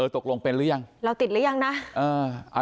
ตกลงเป็นหรือยังเราติดหรือยังนะ